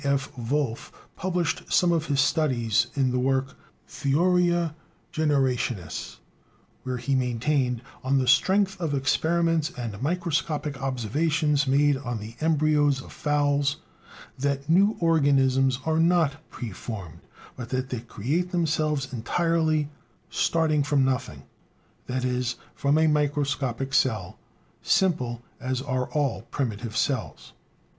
F. Wolff published some of his studies in the work Theoria generationis, where he maintained, on the strength of experiments and microscopic observations made on the embryos of fowls, that new organisms are not pre formed, but that they create themselves entirely, starting from nothing that is, from a microscopic cell, simple as are all primitive cells.